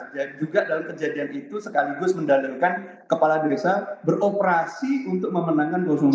dan juga dalam kejadian itu sekaligus mendalilkan kepala desa beroperasi untuk memenangkan dua